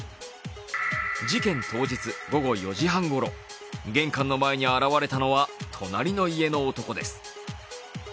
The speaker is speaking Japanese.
事件当日、午後４時半ごろ、玄関の前に現れたのは隣の家の男です。